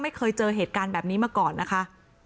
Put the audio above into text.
ไม่เคยเจอเหตุการณ์แบบนี้มาก่อนนะคะ